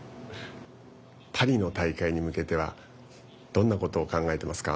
パリの大会に向けてはどんなことを考えてますか。